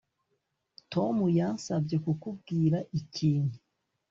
Tom yansabye kukubwira ikintu